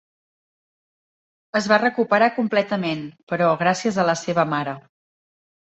Es va recuperar completament, però, gràcies a la seva mare.